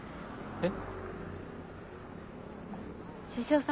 えっ？